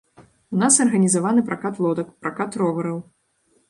У нас арганізаваны пракат лодак, пракат ровараў.